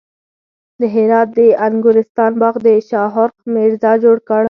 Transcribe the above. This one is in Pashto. د هرات د انګورستان باغ د شاهرخ میرزا جوړ کړ